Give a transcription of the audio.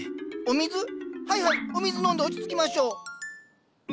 はいはいお水飲んで落ち着きましょう。